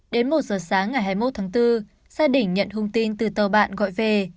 đến một giờ sáng ngày hai mươi một tháng bốn gia đình nhận hùng tin từ tàu bạn gọi về